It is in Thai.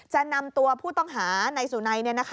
จะนำตัวผู้ต้องหาในสุนัย